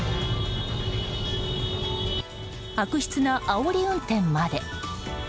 悪質なあおり運転まで。